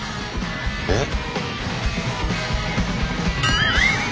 えっ？